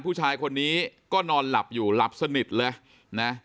ผู้ชายคนนี้ก็นอนหลับอยู่หลับสนิทเลยนะ